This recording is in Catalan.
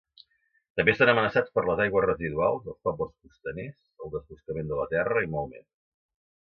També estan amenaçats per les aigües residuals, els pobles costaners, el desboscament de la terra i molt més.